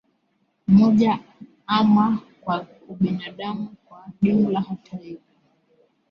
mmoja ama kwa ubinadamu kwa jumla Hata hivyo